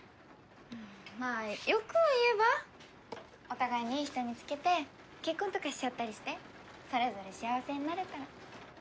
まあ欲を言えばお互いにいい人見つけて結婚とかしちゃったりしてそれぞれ幸せになれたら。